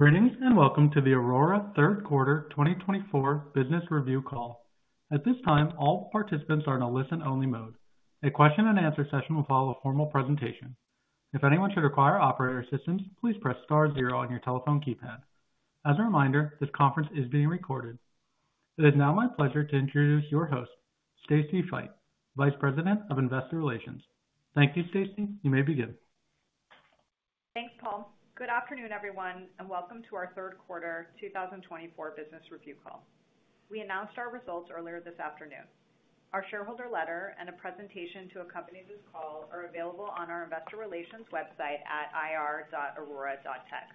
Greetings and welcome to the Aurora Third Quarter 2024 Business Review Call. At this time, all participants are in a listen-only mode. A question-and-answer session will follow a formal presentation. If anyone should require operator assistance, please press star zero on your telephone keypad. As a reminder, this conference is being recorded. It is now my pleasure to introduce your host, Stacy Feit, Vice President of Investor Relations. Thank you, Stacy. You may begin. Thanks, Paul. Good afternoon, everyone, and welcome to our Third Quarter 2024 Business Review Call. We announced our results earlier this afternoon. Our shareholder letter and a presentation to accompany this call are available on our Investor Relations website at ir.aurora.tech.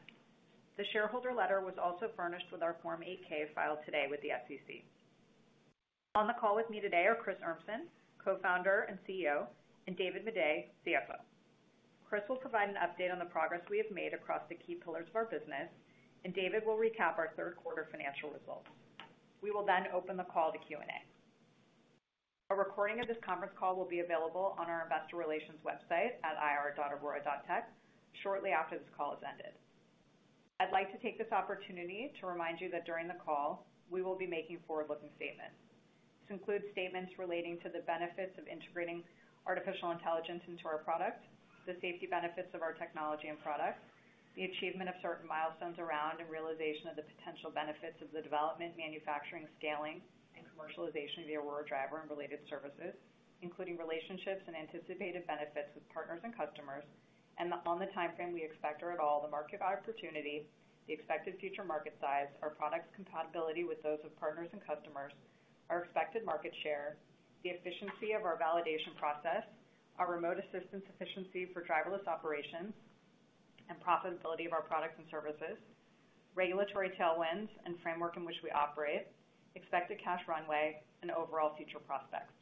The shareholder letter was also furnished with our Form 8-K filed today with the SEC. On the call with me today are Chris Urmson, Co-founder and CEO, and David Maday, CFO. Chris will provide an update on the progress we have made across the key pillars of our business, and David will recap our Third Quarter financial results. We will then open the call to Q&A. A recording of this conference call will be available on our Investor Relations website at ir.aurora.tech shortly after this call has ended. I'd like to take this opportunity to remind you that during the call, we will be making forward-looking statements. This includes statements relating to the benefits of integrating artificial intelligence into our product, the safety benefits of our technology and product, the achievement of certain milestones around and realization of the potential benefits of the development, manufacturing, scaling, and commercialization of the Aurora Driver and related services, including relationships and anticipated benefits with partners and customers, and the time frame we expect or at all, the market opportunity, the expected future market size, our product's compatibility with those of partners and customers, our expected market share, the efficiency of our validation process, our remote assistance efficiency for driverless operations, and profitability of our products and services, regulatory tailwinds and framework in which we operate, expected cash runway, and overall future prospects.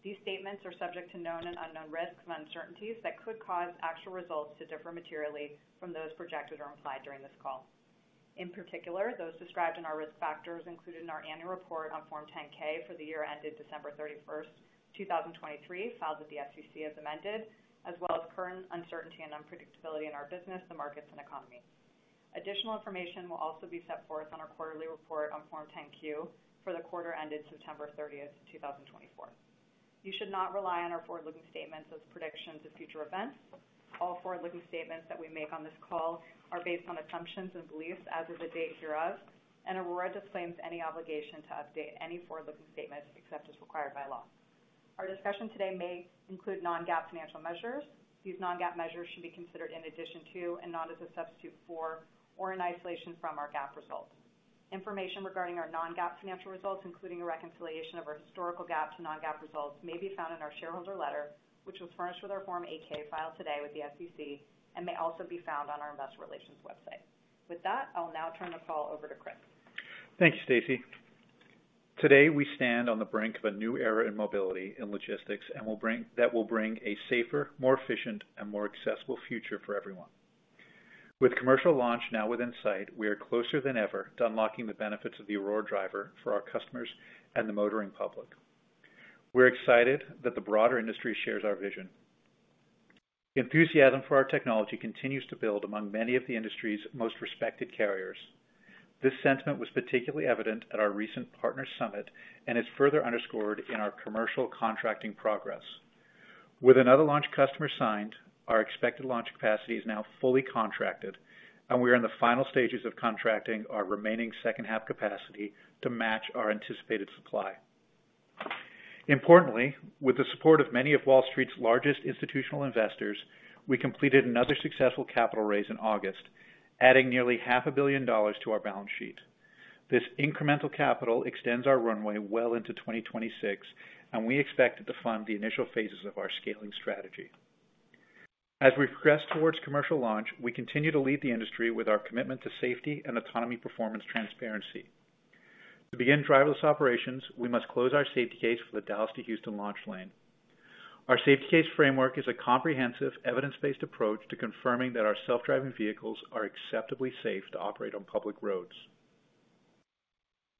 These statements are subject to known and unknown risks and uncertainties that could cause actual results to differ materially from those projected or implied during this call. In particular, those described in our risk factors included in our annual report on Form 10-K for the year ended December 31st, 2023, filed with the SEC as amended, as well as current uncertainty and unpredictability in our business, the markets, and economy. Additional information will also be set forth on our quarterly report on Form 10-Q for the quarter ended September 30th, 2024. You should not rely on our forward-looking statements as predictions of future events. All forward-looking statements that we make on this call are based on assumptions and beliefs as of the date hereof, and Aurora disclaims any obligation to update any forward-looking statements except as required by law. Our discussion today may include non-GAAP financial measures. These non-GAAP measures should be considered in addition to and not as a substitute for or in isolation from our GAAP results. Information regarding our non-GAAP financial results, including a reconciliation of our historical GAAP to non-GAAP results, may be found in our shareholder letter, which was furnished with our Form 8-K filed today with the SEC, and may also be found on our Investor Relations website. With that, I will now turn the call over to Chris. Thank you, Stacy. Today, we stand on the brink of a new era in mobility and logistics that will bring a safer, more efficient, and more accessible future for everyone. With commercial launch now within sight, we are closer than ever to unlocking the benefits of the Aurora Driver for our customers and the motoring public. We're excited that the broader industry shares our vision. Enthusiasm for our technology continues to build among many of the industry's most respected carriers. This sentiment was particularly evident at our recent partner summit and is further underscored in our commercial contracting progress. With another launch customer signed, our expected launch capacity is now fully contracted, and we are in the final stages of contracting our remaining second-half capacity to match our anticipated supply. Importantly, with the support of many of Wall Street's largest institutional investors, we completed another successful capital raise in August, adding nearly $500 million to our balance sheet. This incremental capital extends our runway well into 2026, and we expect it to fund the initial phases of our scaling strategy. As we progress towards commercial launch, we continue to lead the industry with our commitment to safety and autonomy performance transparency. To begin driverless operations, we must close our Safety Case for the Dallas to Houston Launch lane. Our Safety Case framework is a comprehensive, evidence-based approach to confirming that our self-driving vehicles are acceptably safe to operate on public roads.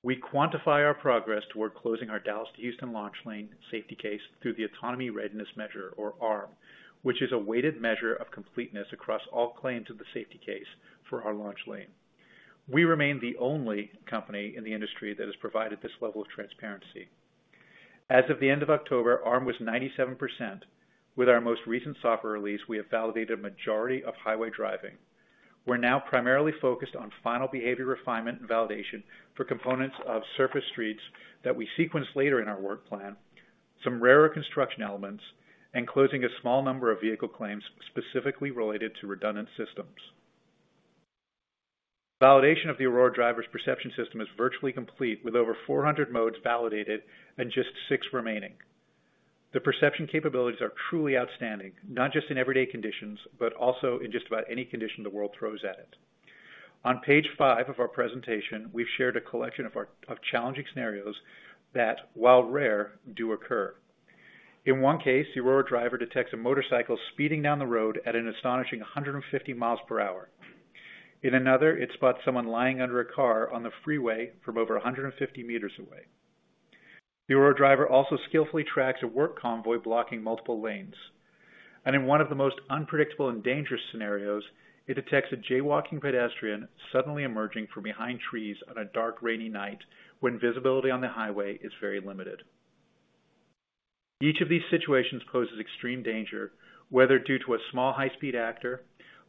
We quantify our progress toward closing our Dallas to Houston Launch Lane Safety Case through the Autonomy Readiness Measure, or ARM, which is a weighted measure of completeness across all claims of the Safety Case for our Launch Lane. We remain the only company in the industry that has provided this level of transparency. As of the end of October, ARM was 97%. With our most recent software release, we have validated a majority of highway driving. We're now primarily focused on final behavior refinement and validation for components of surface streets that we sequence later in our work plan, some rarer construction elements, and closing a small number of vehicle claims specifically related to redundant systems. Validation of the Aurora Driver's perception system is virtually complete, with over 400 modes validated and just six remaining. The perception capabilities are truly outstanding, not just in everyday conditions, but also in just about any condition the world throws at it. On page five of our presentation, we've shared a collection of challenging scenarios that, while rare, do occur. In one case, the Aurora Driver detects a motorcycle speeding down the road at an astonishing 150 mi per hour. In another, it spots someone lying under a car on the freeway from over 150 m away. The Aurora Driver also skillfully tracks a work convoy blocking multiple lanes, and in one of the most unpredictable and dangerous scenarios, it detects a jaywalking pedestrian suddenly emerging from behind trees on a dark, rainy night when visibility on the highway is very limited. Each of these situations poses extreme danger, whether due to a small high-speed actor,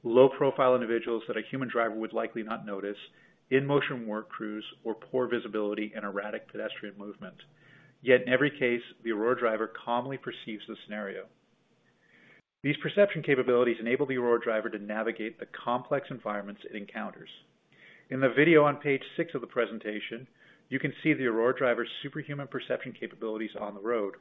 low-profile individuals that a human driver would likely not notice, in-motion work crews, or poor visibility and erratic pedestrian movement. Yet in every case, the Aurora Driver calmly perceives the scenario. These perception capabilities enable the Aurora Driver to navigate the complex environments it encounters. In the video on page six of the presentation, you can see the Aurora Driver's superhuman perception capabilities on the road.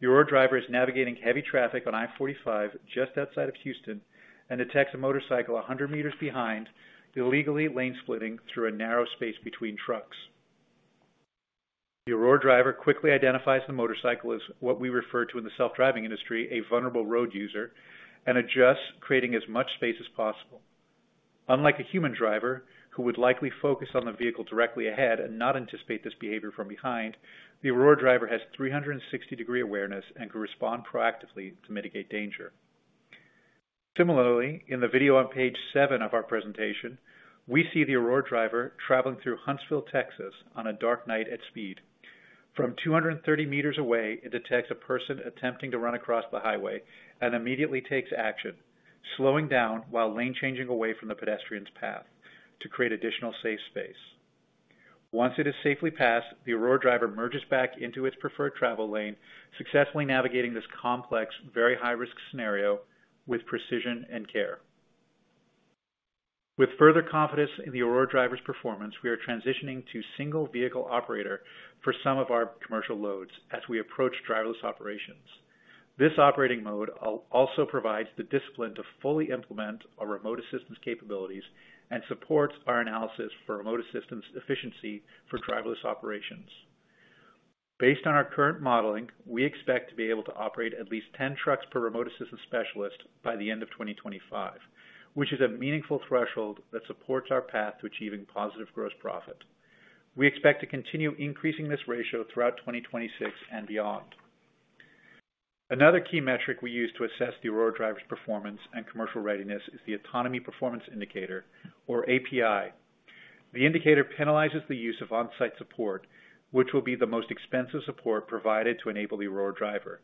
The Aurora Driver is navigating heavy traffic on I-45 just outside of Houston and detects a motorcycle 100 m behind, illegally lane-splitting through a narrow space between trucks. The Aurora Driver quickly identifies the motorcycle as what we refer to in the self-driving industry, a vulnerable road user, and adjusts, creating as much space as possible. Unlike a human driver, who would likely focus on the vehicle directly ahead and not anticipate this behavior from behind, the Aurora Driver has 360-degree awareness and can respond proactively to mitigate danger. Similarly, in the video on page seven of our presentation, we see the Aurora Driver traveling through Huntsville, Texas, on a dark night at speed. From 230 m away, it detects a person attempting to run across the highway and immediately takes action, slowing down while lane-changing away from the pedestrian's path to create additional safe space. Once it is safely passed, the Aurora Driver merges back into its preferred travel lane, successfully navigating this complex, very high-risk scenario with precision and care. With further confidence in the Aurora Driver's performance, we are transitioning to single vehicle operator for some of our commercial loads as we approach driverless operations. This operating mode also provides the discipline to fully implement our remote assistance capabilities and supports our analysis for remote assistance efficiency for driverless operations. Based on our current modeling, we expect to be able to operate at least 10 trucks per remote assistance specialist by the end of 2025, which is a meaningful threshold that supports our path to achieving positive gross profit. We expect to continue increasing this ratio throughout 2026 and beyond. Another key metric we use to assess the Aurora Driver's performance and commercial readiness is the Autonomy Performance Indicator, or API. The indicator penalizes the use of on-site support, which will be the most expensive support provided to enable the Aurora Driver.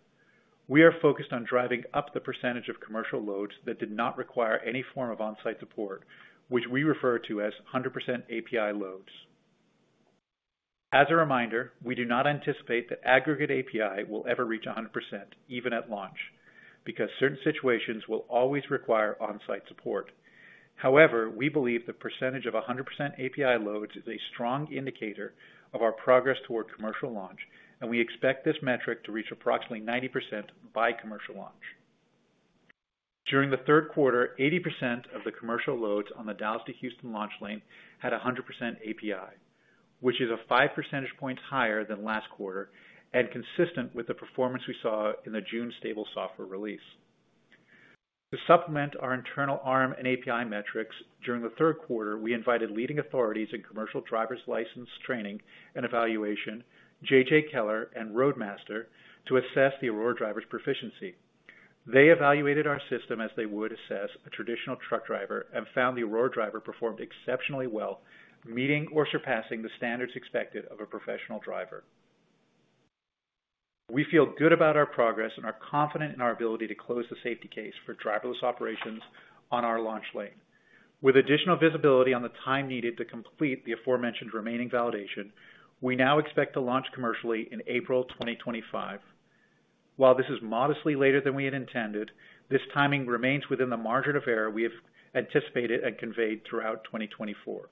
We are focused on driving up the percentage of commercial loads that did not require any form of on-site support, which we refer to as 100% API loads. As a reminder, we do not anticipate that aggregate API will ever reach 100%, even at launch, because certain situations will always require on-site support. However, we believe the percentage of 100% API loads is a strong indicator of our progress toward commercial launch, and we expect this metric to reach approximately 90% by commercial launch. During the third quarter, 80% of the commercial loads on the Dallas to Houston launch lane had 100% API, which is a five percentage points higher than last quarter and consistent with the performance we saw in the June stable software release. To supplement our internal ARM and API metrics, during the third quarter, we invited leading authorities in commercial driver's license training and evaluation, J.J. Keller and Roadmaster, to assess the Aurora Driver's proficiency. They evaluated our system as they would assess a traditional truck driver and found the Aurora Driver performed exceptionally well, meeting or surpassing the standards expected of a professional driver. We feel good about our progress and are confident in our ability to close the safety case for driverless operations on our launch lane. With additional visibility on the time needed to complete the aforementioned remaining validation, we now expect to launch commercially in April 2025. While this is modestly later than we had intended, this timing remains within the margin of error we have anticipated and conveyed throughout 2024.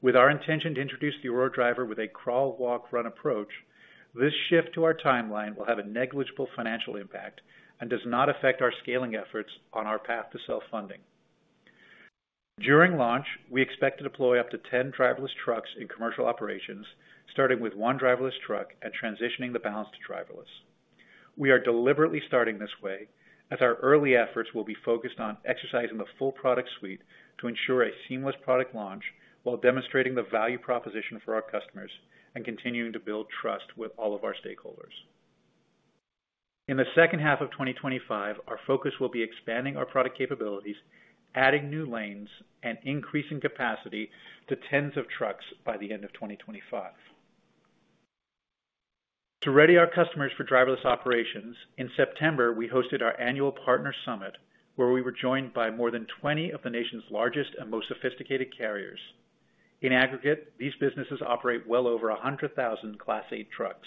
With our intention to introduce the Aurora Driver with a crawl, walk, run approach, this shift to our timeline will have a negligible financial impact and does not affect our scaling efforts on our path to self-funding. During launch, we expect to deploy up to 10 driverless trucks in commercial operations, starting with one driverless truck and transitioning the balance to driverless. We are deliberately starting this way, as our early efforts will be focused on exercising the full product suite to ensure a seamless product launch while demonstrating the value proposition for our customers and continuing to build trust with all of our stakeholders. In the second half of 2025, our focus will be expanding our product capabilities, adding new lanes, and increasing capacity to tens of trucks by the end of 2025. To ready our customers for driverless operations, in September, we hosted our annual partner summit, where we were joined by more than 20 of the nation's largest and most sophisticated carriers. In aggregate, these businesses operate well over 100,000 Class 8 trucks.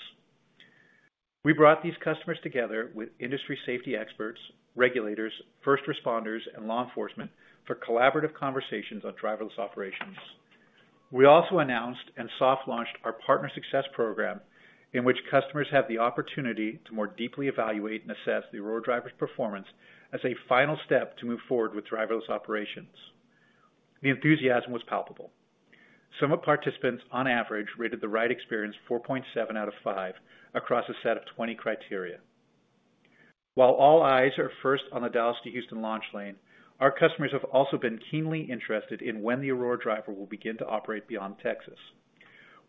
We brought these customers together with industry safety experts, regulators, first responders, and law enforcement for collaborative conversations on driverless operations. We also announced and soft-launched our Partner Success Program, in which customers have the opportunity to more deeply evaluate and assess the Aurora Driver's performance as a final step to move forward with driverless operations. The enthusiasm was palpable. Some of the participants, on average, rated the ride experience 4.7 out of 5 across a set of 20 criteria. While all eyes are first on the Dallas to Houston Launch Lane, our customers have also been keenly interested in when the Aurora Driver will begin to operate beyond Texas.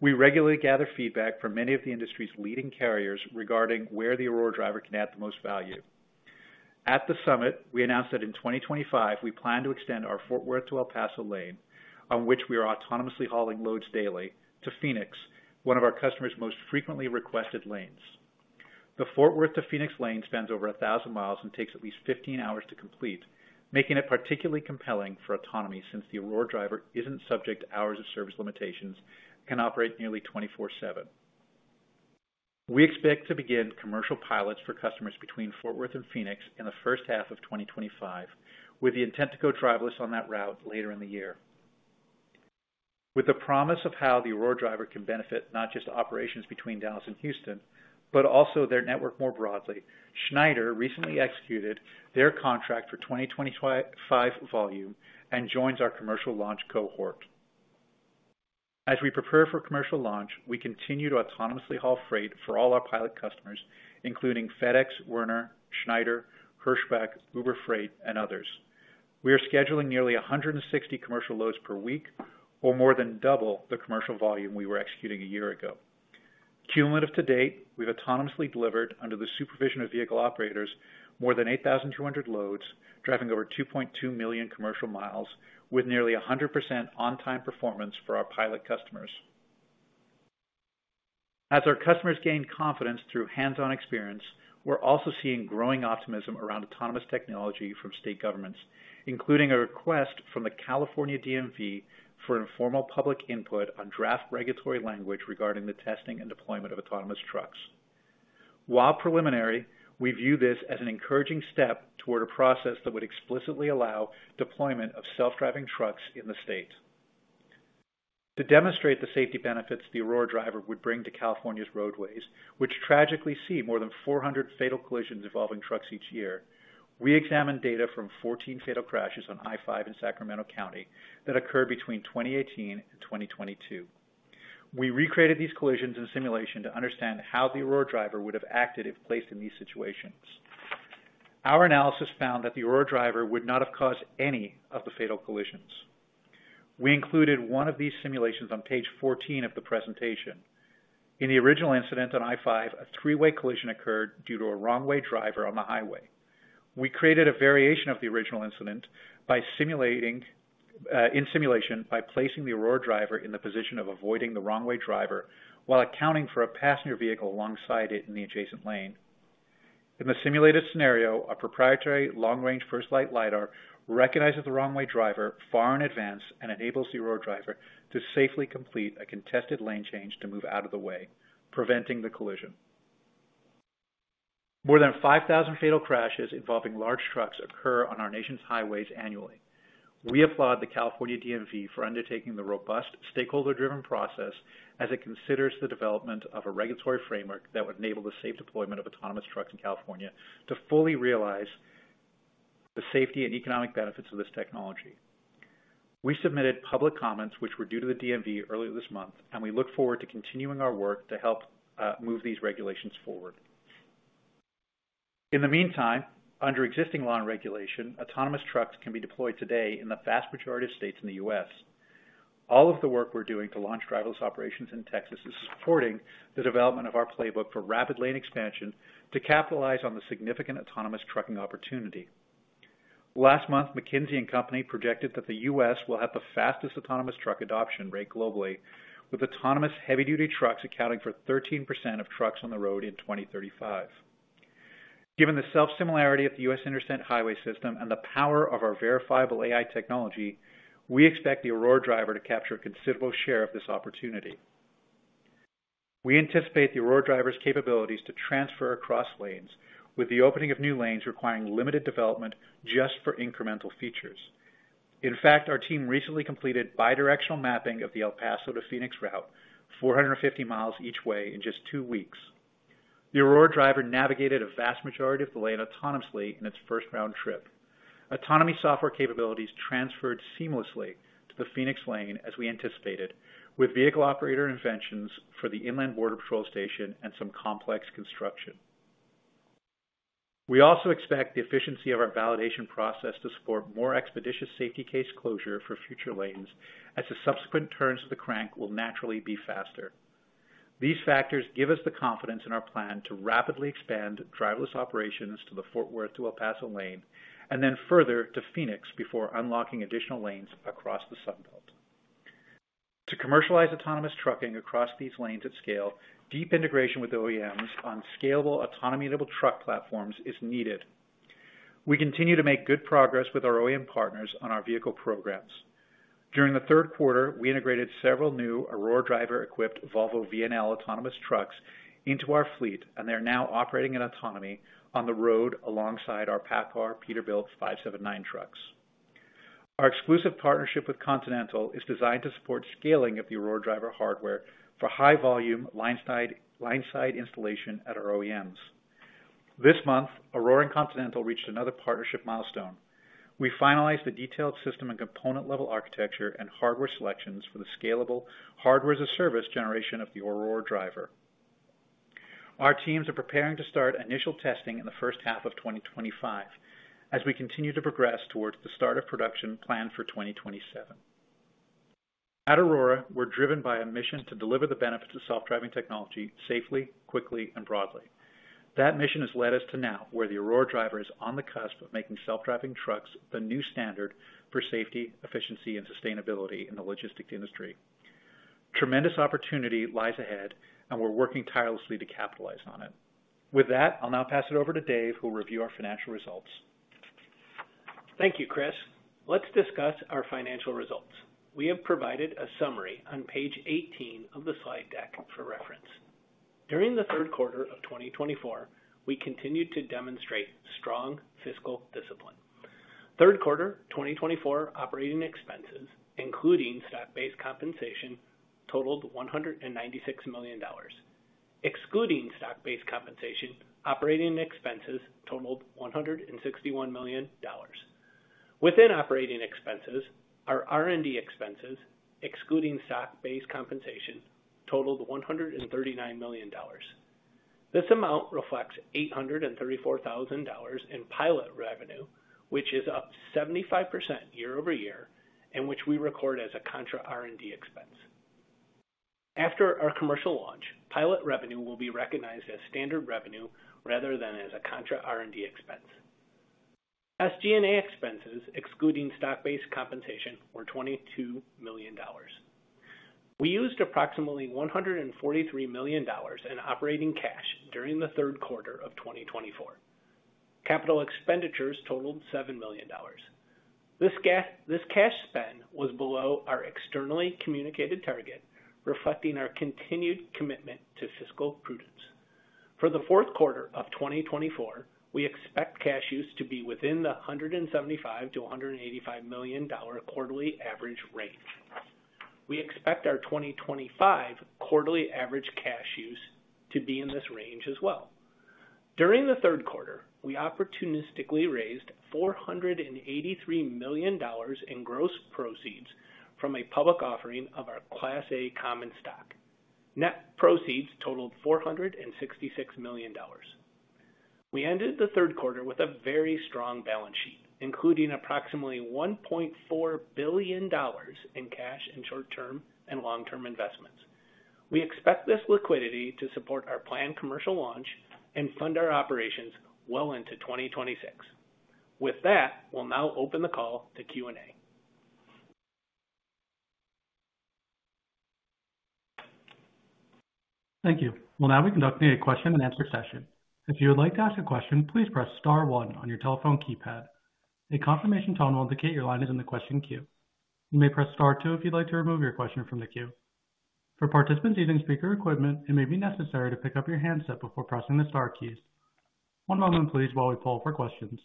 We regularly gather feedback from many of the industry's leading carriers regarding where the Aurora Driver can add the most value. At the summit, we announced that in 2025, we plan to extend our Fort Worth to El Paso lane, on which we are autonomously hauling loads daily, to Phoenix, one of our customers' most frequently requested lanes. The Fort Worth to Phoenix lane spans over 1,000 mi and takes at least 15 hours to complete, making it particularly compelling for autonomy since the Aurora Driver isn't subject to hours of service limitations and can operate nearly 24/7. We expect to begin commercial pilots for customers between Fort Worth and Phoenix in the first half of 2025, with the intent to go driverless on that route later in the year. With the promise of how the Aurora Driver can benefit not just operations between Dallas and Houston, but also their network more broadly, Schneider recently executed their contract for 2025 volume and joins our commercial launch cohort. As we prepare for commercial launch, we continue to autonomously haul freight for all our pilot customers, including FedEx, Werner, Schneider, Hirschbach, Uber Freight, and others. We are scheduling nearly 160 commercial loads per week, or more than double the commercial volume we were executing a year ago. Cumulative to date, we've autonomously delivered, under the supervision of vehicle operators, more than 8,200 loads, driving over 2.2 million commercial miles, with nearly 100% on-time performance for our pilot customers. As our customers gain confidence through hands-on experience, we're also seeing growing optimism around autonomous technology from state governments, including a request from the California DMV for informal public input on draft regulatory language regarding the testing and deployment of autonomous trucks. While preliminary, we view this as an encouraging step toward a process that would explicitly allow deployment of self-driving trucks in the state. To demonstrate the safety benefits the Aurora Driver would bring to California's roadways, which tragically see more than 400 fatal collisions involving trucks each year, we examined data from 14 fatal crashes on I-5 in Sacramento County that occurred between 2018 and 2022. We recreated these collisions in simulation to understand how the Aurora Driver would have acted if placed in these situations. Our analysis found that the Aurora Driver would not have caused any of the fatal collisions. We included one of these simulations on page 14 of the presentation. In the original incident on I-5, a three-way collision occurred due to a wrong-way driver on the highway. We created a variation of the original incident in simulation by placing the Aurora Driver in the position of avoiding the wrong-way driver while accounting for a passenger vehicle alongside it in the adjacent lane. In the simulated scenario, a proprietary long-range FirstLight Lidar recognizes the wrong-way driver far in advance and enables the Aurora Driver to safely complete a contested lane change to move out of the way, preventing the collision. More than 5,000 fatal crashes involving large trucks occur on our nation's highways annually. We applaud the California DMV for undertaking the robust stakeholder-driven process as it considers the development of a regulatory framework that would enable the safe deployment of autonomous trucks in California to fully realize the safety and economic benefits of this technology. We submitted public comments, which were due to the DMV earlier this month, and we look forward to continuing our work to help move these regulations forward. In the meantime, under existing law and regulation, autonomous trucks can be deployed today in the vast majority of states in the U.S. All of the work we're doing to launch driverless operations in Texas is supporting the development of our playbook for rapid lane expansion to capitalize on the significant autonomous trucking opportunity. Last month, McKinsey & Company projected that the U.S. will have the fastest autonomous truck adoption rate globally, with autonomous heavy-duty trucks accounting for 13% of trucks on the road in 2035. Given the self-similarity of the U.S. interstate highway system and the power of our verifiable AI technology, we expect the Aurora Driver to capture a considerable share of this opportunity. We anticipate the Aurora Driver's capabilities to transfer across lanes, with the opening of new lanes requiring limited development just for incremental features. In fact, our team recently completed bidirectional mapping of the El Paso to Phoenix route, 450 mi each way, in just two weeks. The Aurora Driver navigated a vast majority of the lane autonomously in its first round trip. Autonomy software capabilities transferred seamlessly to the Phoenix lane, as we anticipated, with vehicle operator interventions for the Inland Border Patrol station and some complex construction. We also expect the efficiency of our validation process to support more expeditious safety case closure for future lanes, as the subsequent turns of the crank will naturally be faster. These factors give us the confidence in our plan to rapidly expand driverless operations to the Fort Worth to El Paso lane and then further to Phoenix before unlocking additional lanes across the Sunbelt. To commercialize autonomous trucking across these lanes at scale, deep integration with OEMs on scalable autonomy-enabled truck platforms is needed. We continue to make good progress with our OEM partners on our vehicle programs. During the third quarter, we integrated several new Aurora Driver-equipped Volvo VNL autonomous trucks into our fleet, and they're now operating in autonomy on the road alongside our PACCAR Peterbilt 579 trucks. Our exclusive partnership with Continental is designed to support scaling of the Aurora Driver hardware for high-volume line side installation at our OEMs. This month, Aurora and Continental reached another partnership milestone. We finalized the detailed system and component-level architecture and hardware selections for the scalable hardware-as-a-service generation of the Aurora Driver. Our teams are preparing to start initial testing in the first half of 2025, as we continue to progress towards the start of production planned for 2027. At Aurora, we're driven by a mission to deliver the benefits of self-driving technology safely, quickly, and broadly. That mission has led us to now where the Aurora Driver is on the cusp of making self-driving trucks the new standard for safety, efficiency, and sustainability in the logistics industry. Tremendous opportunity lies ahead, and we're working tirelessly to capitalize on it. With that, I'll now pass it over to Dave, who will review our financial results. Thank you, Chris. Let's discuss our financial results. We have provided a summary on page 18 of the slide deck for reference. During the third quarter of 2024, we continued to demonstrate strong fiscal discipline. Third quarter 2024 operating expenses, including stock-based compensation, totaled $196 million. Excluding stock-based compensation, operating expenses totaled $161 million. Within operating expenses, our R&D expenses, excluding stock-based compensation, totaled $139 million. This amount reflects $834,000 in pilot revenue, which is up 75% year over year, and which we record as a contra R&D expense. After our commercial launch, pilot revenue will be recognized as standard revenue rather than as a contra R&D expense. SG&A expenses, excluding stock-based compensation, were $22 million. We used approximately $143 million in operating cash during the third quarter of 2024. Capital expenditures totaled $7 million. This cash spend was below our externally communicated target, reflecting our continued commitment to fiscal prudence. For the fourth quarter of 2024, we expect cash use to be within the $175 million-$185 million quarterly average range. We expect our 2025 quarterly average cash use to be in this range as well. During the third quarter, we opportunistically raised $483 million in gross proceeds from a public offering of our Class A common stock. Net proceeds totaled $466 million. We ended the third quarter with a very strong balance sheet, including approximately $1.4 billion in cash and short-term and long-term investments. We expect this liquidity to support our planned commercial launch and fund our operations well into 2026. With that, we'll now open the call to Q&A. Thank you. Well, now we conduct the question-and-answer session. If you would like to ask a question, please press Star 1 on your telephone keypad. A confirmation tone will indicate your line is in the question queue. You may press Star 2 if you'd like to remove your question from the queue. For participants using speaker equipment, it may be necessary to pick up your handset before pressing the Star keys. One moment, please, while we pull for questions.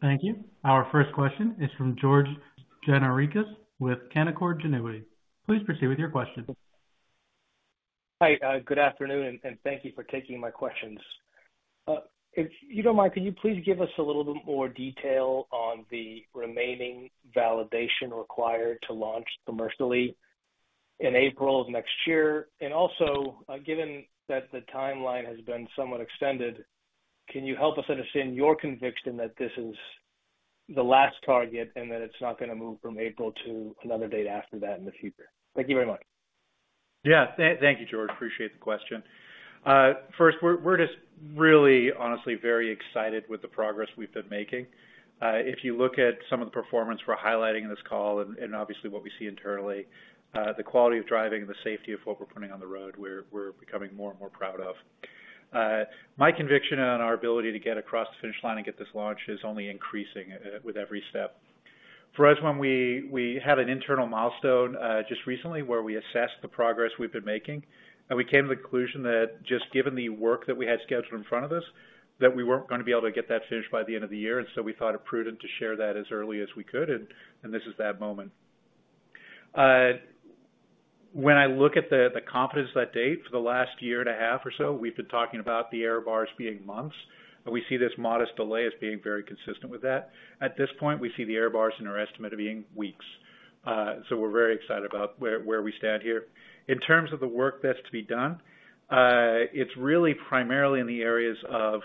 Thank you. Our first question is from George Gianarikas with Canaccord Genuity. Please proceed with your question. Hi. Good afternoon, and thank you for taking my questions. If you don't mind, could you please give us a little bit more detail on the remaining validation required to launch commercially in April of next year? And also, given that the timeline has been somewhat extended, can you help us understand your conviction that this is the last target and that it's not going to move from April to another date after that in the future? Thank you very much. Yes. Thank you, George. Appreciate the question. First, we're just really, honestly, very excited with the progress we've been making. If you look at some of the performance we're highlighting in this call and obviously what we see internally, the quality of driving and the safety of what we're putting on the road, we're becoming more and more proud of. My conviction on our ability to get across the finish line and get this launch is only increasing with every step. For us, when we had an internal milestone just recently where we assessed the progress we've been making, we came to the conclusion that just given the work that we had scheduled in front of us, that we weren't going to be able to get that finished by the end of the year, and so we thought it prudent to share that as early as we could, and this is that moment. When I look at the confidence that date for the last 1.5 years or so, we've been talking about the error bars being months, and we see this modest delay as being very consistent with that. At this point, we see the error bars in our estimate of being weeks. So we're very excited about where we stand here. In terms of the work that's to be done, it's really primarily in the areas of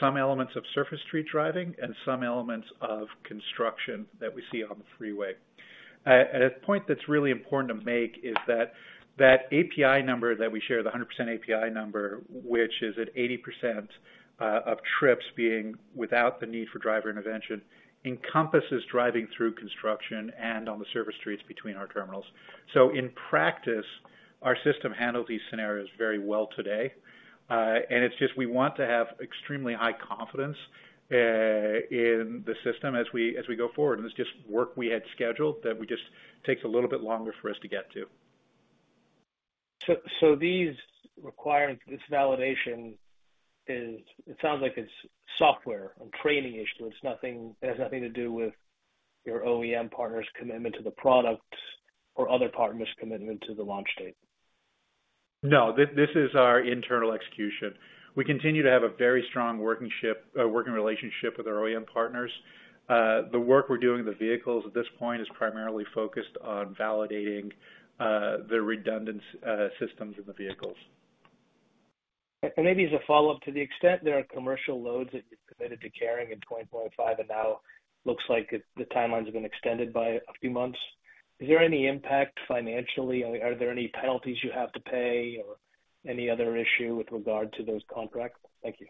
some elements of surface street driving and some elements of construction that we see on the freeway. A point that's really important to make is that that API number that we share, the 100% API number, which is at 80% of trips being without the need for driver intervention, encompasses driving through construction and on the surface streets between our terminals. So in practice, our system handles these scenarios very well today. And it's just we want to have extremely high confidence in the system as we go forward. And it's just work we had scheduled that just takes a little bit longer for us to get to. So this validation, it sounds like it's software and training issue. It has nothing to do with your OEM partner's commitment to the product or other partner's commitment to the launch date. No. This is our internal execution. We continue to have a very strong working relationship with our OEM partners. The work we're doing with the vehicles at this point is primarily focused on validating the redundant systems in the vehicles. And maybe as a follow-up, to the extent there are commercial loads that you've committed to carrying in 2025 and now looks like the timelines have been extended by a few months, is there any impact financially? Are there any penalties you have to pay or any other issue with regard to those contracts? Thank you.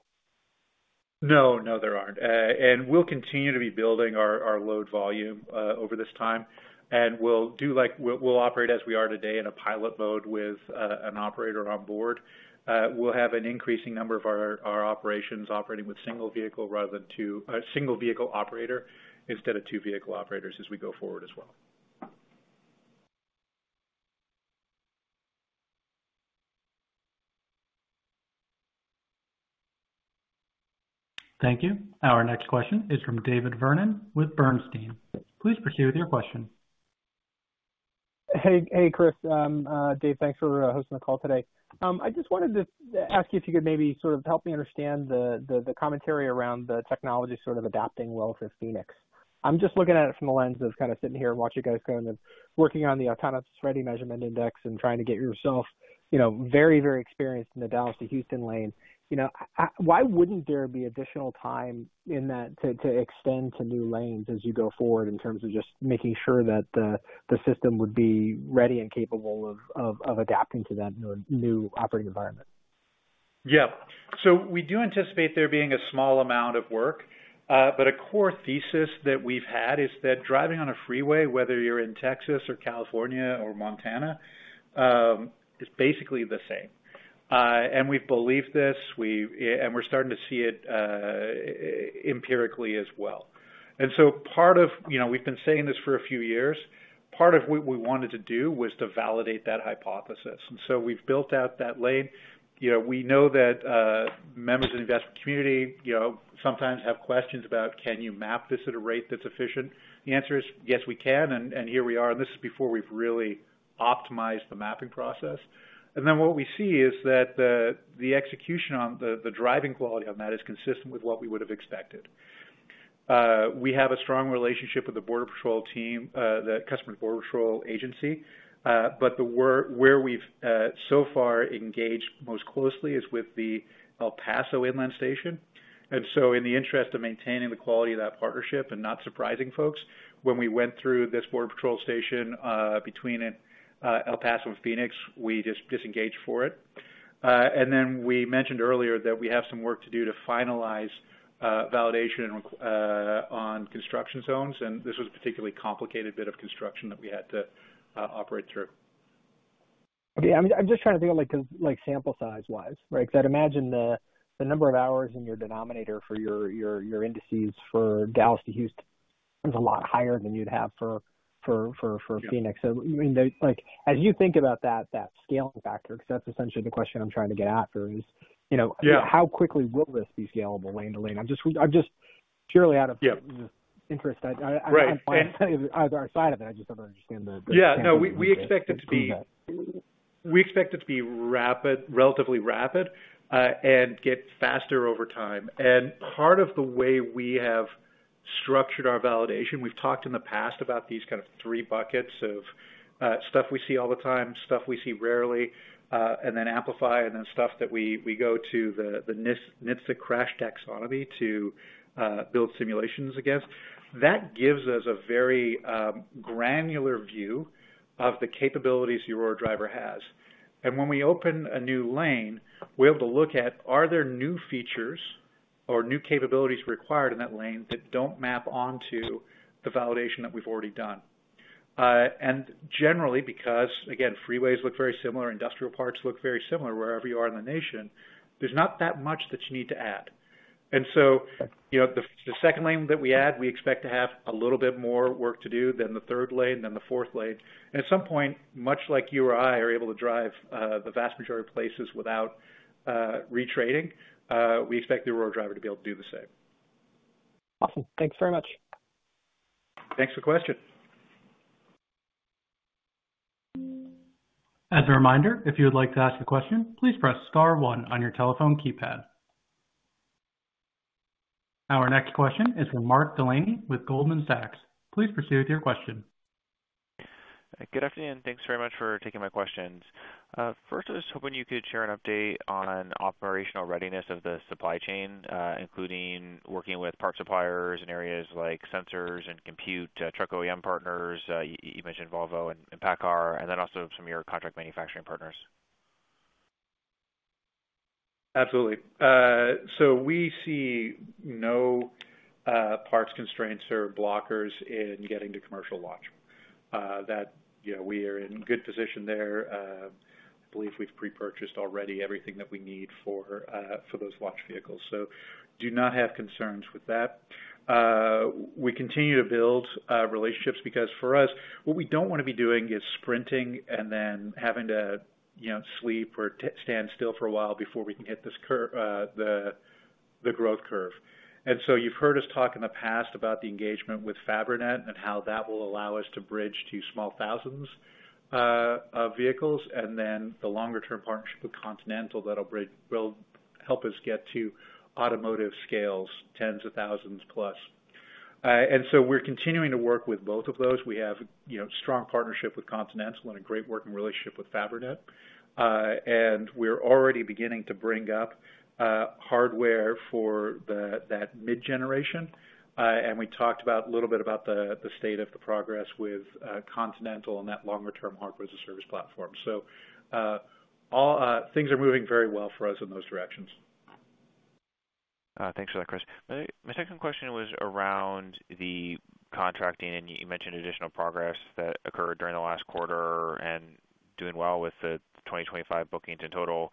No, no, there aren't. And we'll continue to be building our load volume over this time. And we'll operate as we are today in a pilot mode with an operator on board. We'll have an increasing number of our operations operating with single vehicle operator instead of two vehicle operators as we go forward as well. Thank you. Our next question is from David Vernon with Bernstein. Please proceed with your question. Hey, Chris. Dave, thanks for hosting the call today. I just wanted to ask you if you could maybe sort of help me understand the commentary around the technology sort of adapting well for Phoenix. I'm just looking at it from the lens of kind of sitting here and watching you guys kind of working on the Autonomy Readiness Measurement Index and trying to get yourself very, very experienced in the Dallas to Houston lane. Why wouldn't there be additional time in that to extend to new lanes as you go forward in terms of just making sure that the system would be ready and capable of adapting to that new operating environment? Yeah, so we do anticipate there being a small amount of work, but a core thesis that we've had is that driving on a freeway, whether you're in Texas or California or Montana, is basically the same, and we've believed this, and we're starting to see it empirically as well, so part of what we've been saying this for a few years. Part of what we wanted to do was to validate that hypothesis, and so we've built out that lane. We know that members of the investment community sometimes have questions about, "Can you map this at a rate that's efficient?" The answer is, "Yes, we can." And here we are. This is before we've really optimized the mapping process. And then what we see is that the execution on the driving quality on that is consistent with what we would have expected. We have a strong relationship with the Border Patrol team, the Customs and Border Patrol agency, but where we've so far engaged most closely is with the El Paso Inland Station. And so in the interest of maintaining the quality of that partnership and not surprising folks, when we went through this Border Patrol station between El Paso and Phoenix, we just disengaged for it. And then we mentioned earlier that we have some work to do to finalize validation on construction zones. And this was a particularly complicated bit of construction that we had to operate through. Okay. I'm just trying to think of sample size-wise, right? Because I'd imagine the number of hours in your denominator for your indices for Dallas to Houston is a lot higher than you'd have for Phoenix. So as you think about that scaling factor, because that's essentially the question I'm trying to get after, is how quickly will this be scalable lane to lane? I'm just purely out of interest. I'm fine either side of it. I just don't understand the context. Yeah. No, we expect it to be relatively rapid and get faster over time. And part of the way we have structured our validation, we've talked in the past about these kind of three buckets of stuff we see all the time, stuff we see rarely, and then amplify, and then stuff that we go to the NHTSA crash taxonomy to build simulations against. That gives us a very granular view of the capabilities the Aurora Driver has. And when we open a new lane, we're able to look at, are there new features or new capabilities required in that lane that don't map onto the validation that we've already done? And generally, because, again, freeways look very similar, industrial parks look very similar wherever you are in the nation, there's not that much that you need to add. And so the second lane that we add, we expect to have a little bit more work to do than the third lane than the fourth lane. And at some point, much like you or I are able to drive the vast majority of places without retraining, we expect the Aurora Driver to be able to do the same. Awesome. Thanks very much. Thanks for the question. As a reminder, if you would like to ask a question, please press Star 1 on your telephone keypad. Our next question is from Mark Delaney with Goldman Sachs. Please proceed with your question. Good afternoon. Thanks very much for taking my questions. First, I was hoping you could share an update on operational readiness of the supply chain, including working with parts suppliers in areas like sensors and compute, truck OEM partners. You mentioned Volvo and PACCAR, and then also some of your contract manufacturing partners. Absolutely. So we see no parts constraints or blockers in getting to commercial launch. We are in good position there. I believe we've pre-purchased already everything that we need for those launch vehicles. So do not have concerns with that. We continue to build relationships because for us, what we don't want to be doing is sprinting and then having to sleep or stand still for a while before we can hit the growth curve, and so you've heard us talk in the past about the engagement with Fabrinet and how that will allow us to bridge to small thousands of vehicles and then the longer-term partnership with Continental that will help us get to automotive scales, tens of thousands plus, and so we're continuing to work with both of those. We have a strong partnership with Continental and a great working relationship with Fabrinet, and we're already beginning to bring up hardware for that mid-generation, and we talked a little bit about the state of the progress with Continental and that longer-term hardware as a service platform, so things are moving very well for us in those directions. Thanks for that Chris. My second question was around the contracting, and you mentioned additional progress that occurred during the last quarter and doing well with the 2025 bookings in total.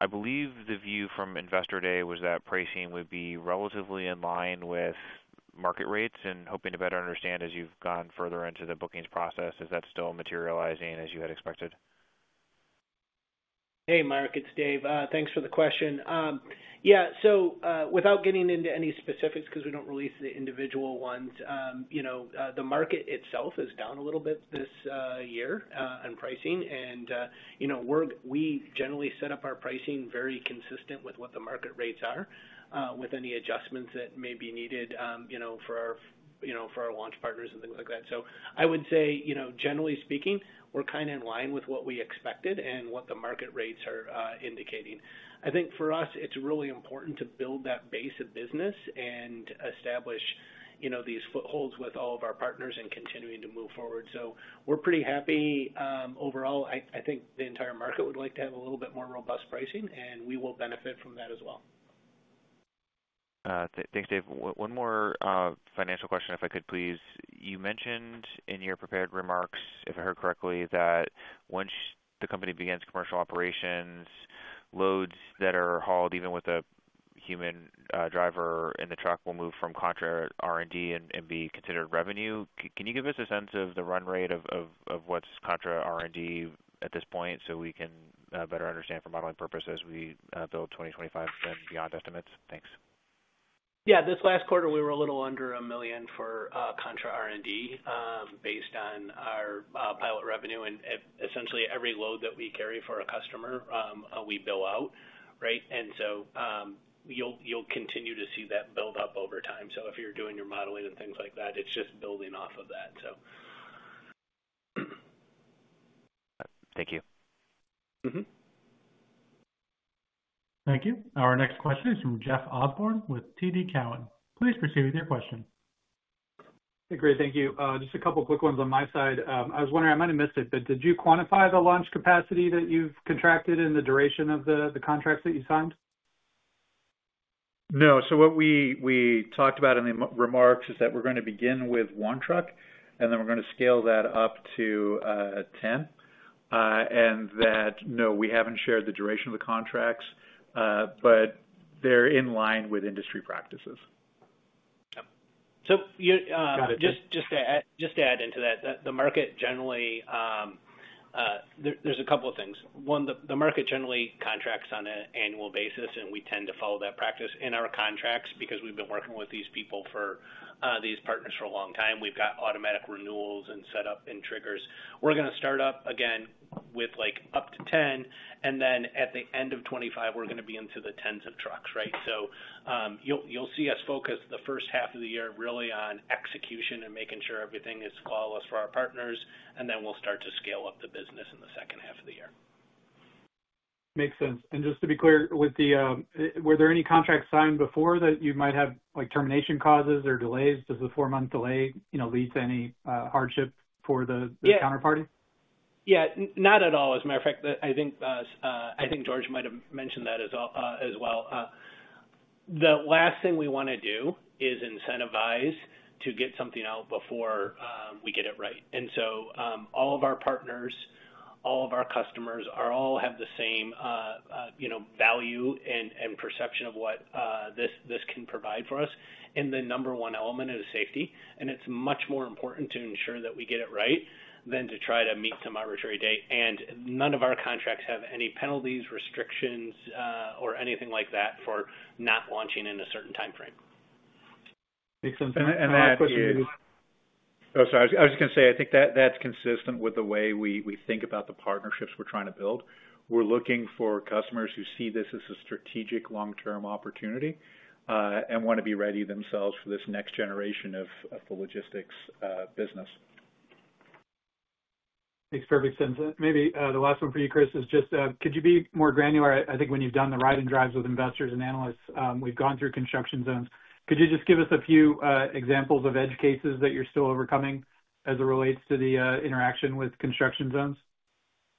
I believe the view from investor day was that pricing would be relatively in line with market rates. And hoping to better understand as you've gone further into the bookings process, is that still materializing as you had expected? Hey, Mark. It's Dave. Thanks for the question. Yeah. So without getting into any specifics because we don't release the individual ones, the market itself is down a little bit this year on pricing. And we generally set up our pricing very consistent with what the market rates are with any adjustments that may be needed for our launch partners and things like that. So I would say, generally speaking, we're kind of in line with what we expected and what the market rates are indicating. I think for us, it's really important to build that base of business and establish these footholds with all of our partners and continuing to move forward. So we're pretty happy overall. I think the entire market would like to have a little bit more robust pricing, and we will benefit from that as well. Thanks, Dave. One more financial question, if I could please. You mentioned in your prepared remarks, if I heard correctly, that once the company begins commercial operations, loads that are hauled even with a human driver in the truck will move from contra R&D and be considered revenue. Can you give us a sense of the run rate of what's contra R&D at this point so we can better understand for modeling purposes as we build 2025 and beyond estimates? Thanks. Yeah. This last quarter, we were a little under $1 million for contra R&D based on our pilot revenue. And essentially, every load that we carry for a customer, we bill out, right? And so you'll continue to see that build up over time. So if you're doing your modeling and things like that, it's just building off of that, so. Thank you. Thank you. Our next question is from Jeff Osborne with TD Cowen. Please proceed with your question. Hey, Chris. Thank you. Just a couple of quick ones on my side. I was wondering, I might have missed it, but did you quantify the launch capacity that you've contracted and the duration of the contracts that you signed? No. So what we talked about in the remarks is that we're going to begin with one truck, and then we're going to scale that up to 10. And that, no, we haven't shared the duration of the contracts, but they're in line with industry practices. Got it. Just to add into that, the market generally, there's a couple of things. One, the market generally contracts on an annual basis, and we tend to follow that practice in our contracts because we've been working with these partners for a long time. We've got automatic renewals and setup and triggers. We're going to start up again with up to 10, and then at the end of 2025, we're going to be into the tens of trucks, right? So you'll see us focus the first half of the year really on execution and making sure everything is flawless for our partners, and then we'll start to scale up the business in the second half of the year. Makes sense. And just to be clear, were there any contracts signed before that you might have termination causes or delays? Does the four-month delay lead to any hardship for the counterparty? Yeah. Not at all. As a matter of fact, I think George might have mentioned that as well. The last thing we want to do is incentivize to get something out before we get it right. And so all of our partners, all of our customers all have the same value and perception of what this can provide for us. And the number one element is safety. And it's much more important to ensure that we get it right than to try to meet some arbitrary date. And none of our contracts have any penalties, restrictions, or anything like that for not launching in a certain timeframe. Makes sense. And last question is. Oh, sorry. I was just going to say, I think that that's consistent with the way we think about the partnerships we're trying to build. We're looking for customers who see this as a strategic long-term opportunity and want to be ready themselves for this next generation of the logistics business. Makes perfect sense. And maybe the last one for you, Chris, is just could you be more granular? I think when you've done the ride-and-drives with investors and analysts, we've gone through construction zones. Could you just give us a few examples of edge cases that you're still overcoming as it relates to the interaction with construction zones?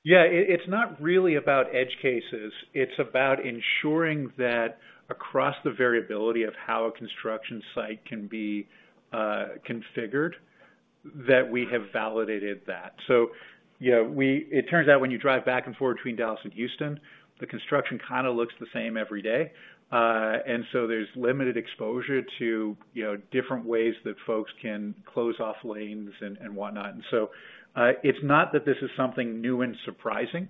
Yeah. It's not really about edge cases. It's about ensuring that across the variability of how a construction site can be configured, that we have validated that. So it turns out when you drive back and forth between Dallas and Houston, the construction kind of looks the same every day. And so there's limited exposure to different ways that folks can close off lanes and whatnot. And so it's not that this is something new and surprising.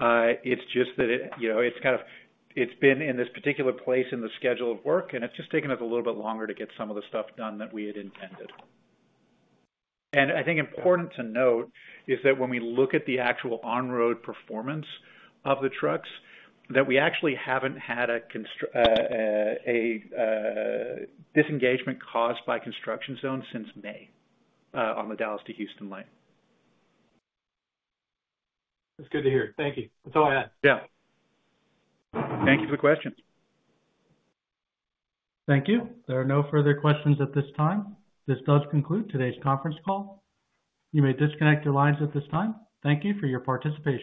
It's just that it's kind of, it's been in this particular place in the schedule of work, and it's just taken us a little bit longer to get some of the stuff done that we had intended, and I think important to note is that when we look at the actual on-road performance of the trucks, that we actually haven't had a disengagement caused by construction zones since May on the Dallas to Houston lane. That's good to hear. Thank you. That's all I had. Yeah. Thank you for the questions. Thank you. There are no further questions at this time. This does conclude today's conference call. You may disconnect your lines at this time. Thank you for your participation.